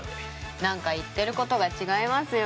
何か言ってることが違いますよ。